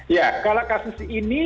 ya kalau kasus ini